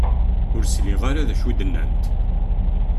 Ur sliɣ ara d acu i d-nnant